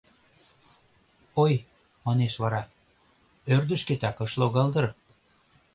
— Ой, — манеш вара, — ӧрдыжкетак ыш логал дыр?